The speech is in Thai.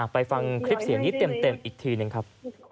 ไปฟังคลิปเสียงนี้เต็มอีกทีหนึ่งครับ